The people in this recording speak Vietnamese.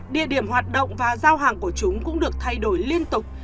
địa điểm hoạt động và giao hàng của chúng cũng được thay đổi liên tục